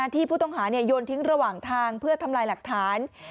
ที่ผู้ต้องหาโยนทิ้งระหว่างทางเพื่อทำลายหลักฐาน